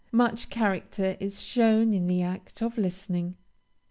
Much character is shown in the act of listening.